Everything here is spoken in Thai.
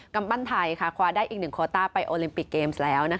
กำปั้นไทยคว้าได้อีก๑โคต้าไปโอลิมปิกเกมส์แล้ว